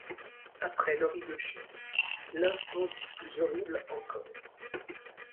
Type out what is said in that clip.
Après l’horrible chute, l’incendie plus horrible encore !